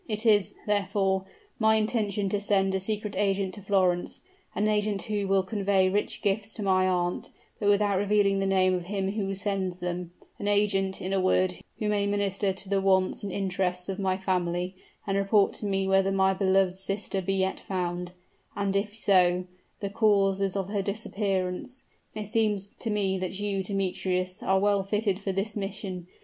It is, therefore, my intention to send a secret agent to Florence an agent who will convey rich gifts to my aunt, but without revealing the name of him who sends them an agent, in a word, who may minister to the wants and interests of my family, and report to me whether my beloved sister be yet found, and if so, the causes of her disappearance. It seems to me that you, Demetrius, are well fitted for this mission.